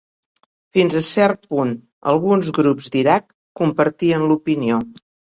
Fins a cert punt, alguns grups d'Iraq compartien l'opinió.